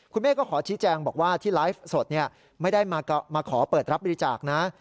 แม่ก็ขอชี้แจงบอกว่าที่ไลฟ์สดไม่ได้มาขอเปิดรับบริจาคนะ